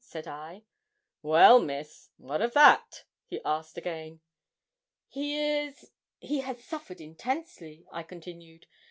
said I. 'Well, Miss, what of that?' he asked again. 'He is he has suffered intensely,' I continued.